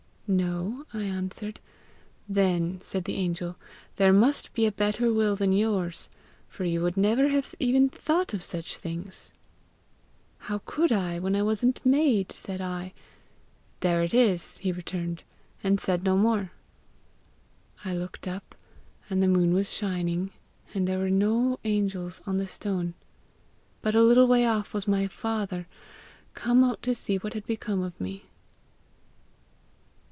'No,' I answered. 'Then,' said the angel, 'there must be a better will than yours, for you would never have even thought of such things!' 'How could I, when I wasn't made?' said I. 'There it is!' he returned, and said no more. I looked up, and the moon was shining, and there were no angels on the stone. But a little way off was my father, come out to see what had become of me."